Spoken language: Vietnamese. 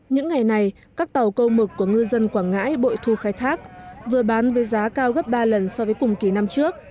những ngày này các tàu câu mực của ngư dân quảng ngãi bội thu khai thác vừa bán với giá cao gấp ba lần so với cùng kỳ năm trước